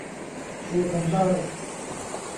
ฟูทำได้